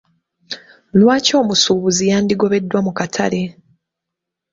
Lwaki omusuubuzi yandigobeddwa mu katale?